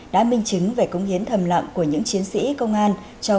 đã minh chứng về cống hiến thầm lặng của những chiến sĩ công an